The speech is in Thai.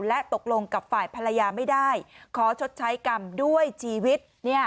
และตกลงกับฝ่ายภรรยาไม่ได้ขอชดใช้กรรมด้วยชีวิต